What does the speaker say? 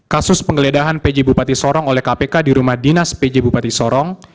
kasus penggeledahan pj bupati sorong oleh kpk di rumah dinas pj bupati sorong